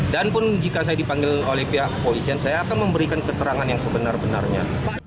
dan pun jika saya dipanggil oleh pihak polisi saya akan memberikan keterangan yang sebenar benarnya